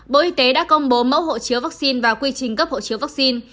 bộ y tế đã công bố mẫu hộ chiếu vaccine và quy trình cấp hộ chiếu vaccine